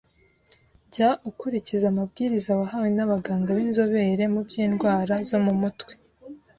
Jya ukurikiza amabwiriza wahawe n’abaganga b’inzobere mu by’indwara zo mu mutwe.